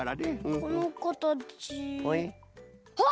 このかたちあっ！